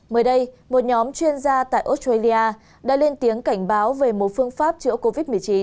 mới đây một nhóm chuyên gia tại australia đã lên tiếng cảnh báo về một phương pháp chữa covid một mươi chín